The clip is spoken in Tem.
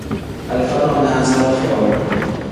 Alifa nonaza ni folu.